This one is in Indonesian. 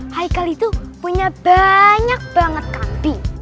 haikal itu punya baaanyak banget kambing